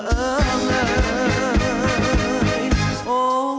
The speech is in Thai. เออเออเออเออเออเออเออ